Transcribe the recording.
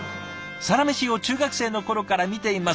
「サラメシを中学生の頃から見ています」。